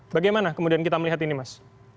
bagaimana kemudian kita melihat ini mas